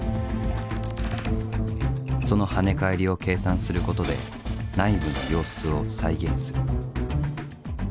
その跳ね返りを計算することで内部の様子を再現する。